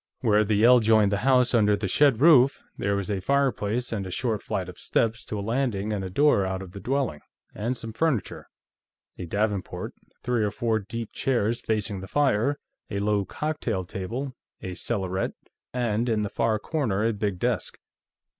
Where the ell joined the house under the shed roof, there was a fireplace, and a short flight of steps to a landing and a door out of the dwelling, and some furniture a davenport, three or four deep chairs facing the fire, a low cocktail table, a cellarette, and, in the far corner, a big desk.